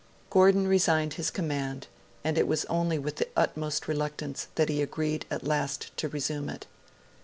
Gordon resigned his command; and it was only with the utmost reluctance that he agreed at last to resume it.